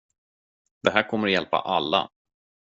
Det här kommer att hjälpa alla.